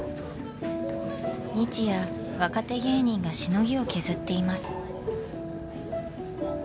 日夜若手芸人がしのぎを削っています。